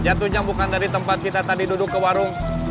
jatuhnya bukan dari tempat kita tadi duduk ke warung